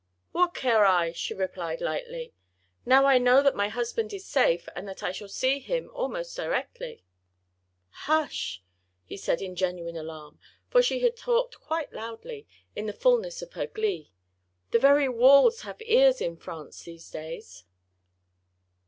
"What care I?" she replied lightly, "now I know that my husband is safe, and that I shall see him almost directly!" "Hush!" he said in genuine alarm, for she had talked quite loudly, in the fulness of her glee, "the very walls have ears in France, these days."